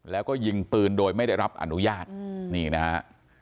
แล้วก็ยิงปืนโดยไม่ได้รับอนุญาตนี่นะฮะ